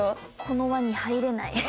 この輪に入れない。